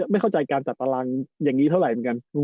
ไม่เข้าใจการจัดตารางอย่างนี้เท่าไหร่เหมือนกัน